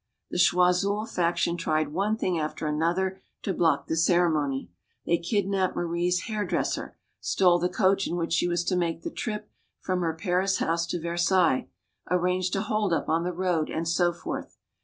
The Choiseul faction tried one thing after another to block the ceremony. They kidnapped Marie's hair dresser, stole the coach in which she was to make the trip from her Paris house to Versailles, arranged a holdup on the road, and so forth.